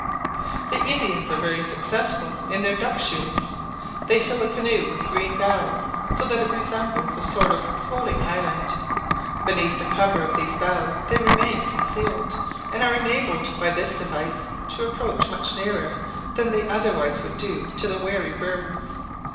The Indians are very successful in their duck shooting: they fill a canoe with green boughs, so that it resembles a sort of floating island; beneath the cover of these boughs they remain concealed, and are enabled by this device to approach much nearer than they otherwise could do to the wary birds.